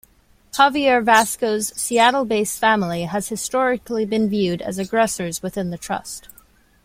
Javier Vasco's Seattle-based family has historically been viewed as aggressors within the Trust.